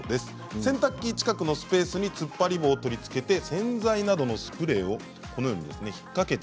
洗濯機近くのスペースにつっぱり棒を取り付けて洗剤などのスプレーを引っ掛けて。